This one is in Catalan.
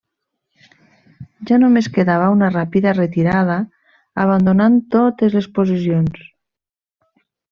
Ja només quedava una ràpida retirada abandonant totes les posicions.